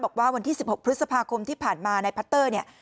บอกว่าวันที่๑๖พฤษภาคมที่ผ่านมาในพัตเตอร์